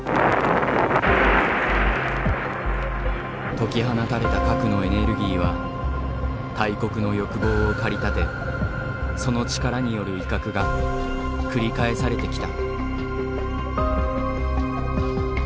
解き放たれた核のエネルギーは大国の欲望を駆り立てその力による威嚇が繰り返されてきた。